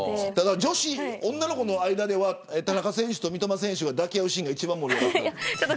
女の子の間では田中選手と三笘選手が抱き合うシーンが一番盛り上がった。